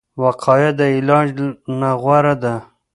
وقایه د علاج نه غوره ده